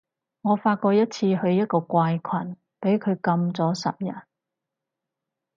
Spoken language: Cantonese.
我發過一次去一個怪群，畀佢禁咗十日